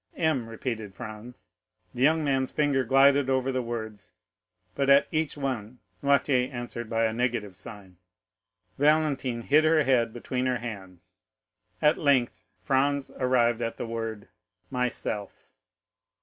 "M," repeated Franz. The young man's finger, glided over the words, but at each one Noirtier answered by a negative sign. Valentine hid her head between her hands. At length, Franz arrived at the word MYSELF.